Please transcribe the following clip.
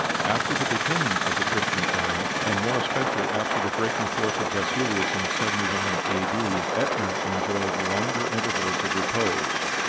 After the beginning of the Christian era, and more especially after the breaking forth of Vesuvius in 79 A. D., Etna enjoyed longer intervals of repose.